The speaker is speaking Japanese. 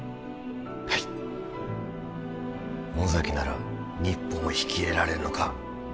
はい野崎なら日本を引き入れられるのか？